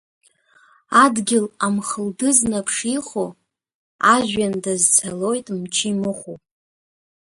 Адгьыл амхалдыз-нап шихо, ажәҩан дазцалоит мчы имыхәо.